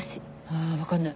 あ分かんない。